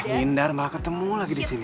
hindar malah ketemu lagi disini